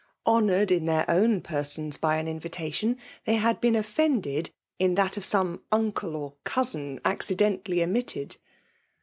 Honoured in their own persons by an invitatioin, they had been offended in that of some uncle or cousin accidentally omitted.